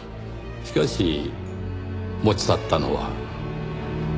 しかし持ち去ったのは。